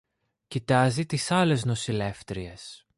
Κοιτάζει τις άλλες νοσηλεύτριες